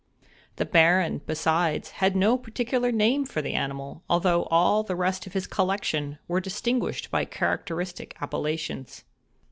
The Baron, besides, had no particular name for the animal, although all the rest in his collection were distinguished by characteristic appellations.